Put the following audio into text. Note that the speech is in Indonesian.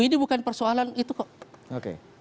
ini bukan persoalan itu kok